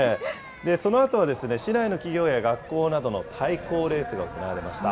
そのあとは市内の企業や学校などの対抗レースが行われました。